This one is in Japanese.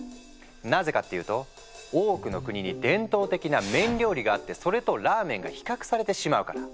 なぜかっていうと多くの国に伝統的な麺料理があってそれとラーメンが比較されてしまうから。